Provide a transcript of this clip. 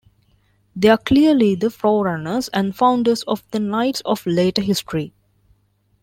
They are clearly the forerunners and founders of the "Knights" of later history.